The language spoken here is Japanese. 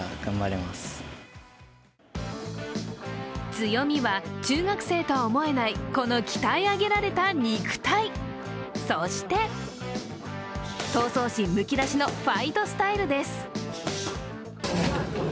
強みは、中学生とは思えないこの鍛え上げられた肉体そして闘争心むき出しのファイトスタイルです。